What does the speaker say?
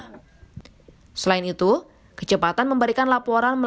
selain itu kecepatan memberikan langkah untuk menjaga dan memberikan pertolongan kepada korban bencana